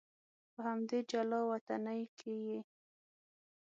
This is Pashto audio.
په همدې جلا وطنۍ کې یې.